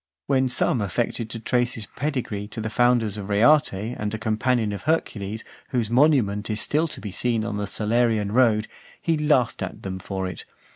When some affected to trace his pedigree to the founders of Reate, and a companion of Hercules , whose monument is still to be seen on the Salarian road, he laughed at them for it.